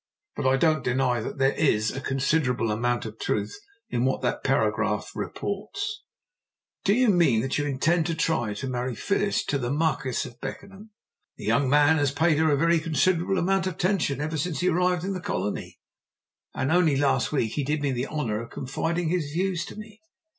"But I don't deny that there is a considerable amount of truth in what that paragraph reports." "You mean by that that you intend to try and marry Phyllis to the Marquis of Beckenham?" "The young man has paid her a very considerable amount of attention ever since he arrived in the colony, and only last week he did me the honour of confiding his views to me.